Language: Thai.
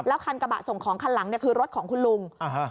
แล้วคันกระบะส่งของคันหลังคือรถของคุณลุง